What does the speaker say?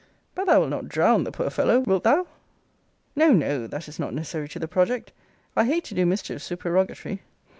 But thou wilt not drown the poor fellow; wilt thou? No, no! that is not necessary to the project I hate to do mischiefs supererogatory.